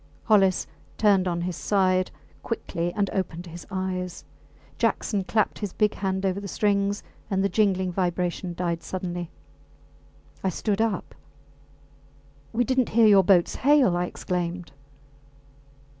Hollis turned on his side quickly and opened his eyes. Jackson clapped his big hand over the strings and the jingling vibration died suddenly. I stood up. We did not hear your boats hail! I exclaimed.